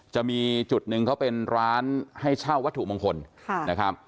จะมีจุดหนึ่งเขาเป็นร้านให้เช่าวัตถุมงคลนะครับ